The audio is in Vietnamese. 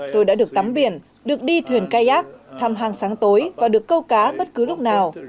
tôi đã được tắm biển được đi thuyền kayak thăm hang sáng tối và được câu cá bất cứ lúc nào